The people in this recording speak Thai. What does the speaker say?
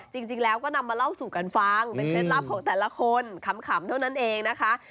จริงแล้วก็นำมาเล่าสู่กันฟังเป็นเคล็ดลับของแต่ละคนขำเท่านั้นเองนะคะ